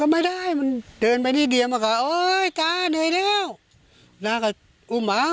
ไม่ได้มันเดินไปนิดเดียวมันก็เอ้ยตาเหนื่อยแล้วน้าก็อุ้มเอา